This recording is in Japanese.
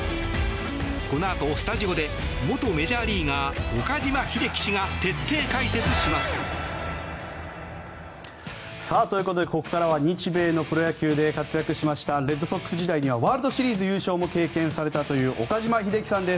このあとスタジオで元メジャーリーガー岡島秀樹氏が徹底解説します。ということで、ここからは日米のプロ野球で活躍しましたレッドソックス時代にはワールドシリーズ優勝も経験されたという岡島秀樹さんです。